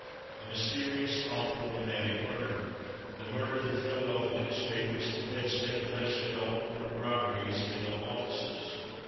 The mysterious, awful, romantic murder. The murder that filled all the newspapers, and fed speculation at all the corner groggeries and in all offices.